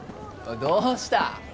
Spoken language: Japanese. どうした？